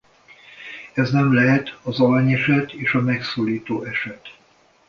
Ez nem lehet az alanyeset és a megszólító eset.